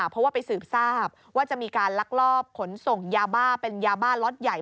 เพราะว่าไปสืบทราบว่าจะมีการลักลอบขนส่งยาบ้าเป็นยาบ้าล็อตใหญ่